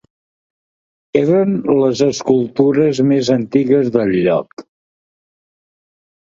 Eren les escultures més antigues del lloc.